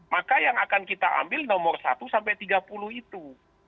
maka yang akan kita ambil nomor satu sampai tiga puluh itu